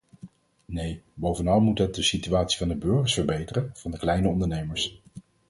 Nee, bovenal moet het de situatie van de burgers verbeteren, van de kleine ondernemers.